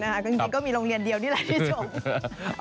ก็จริงก็มีโรงเรียนเดียวนี่แหละที่ชม